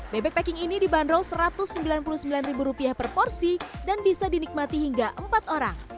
bebek packing ini dibanderol rp satu ratus sembilan puluh sembilan per porsi dan bisa dinikmati hingga empat orang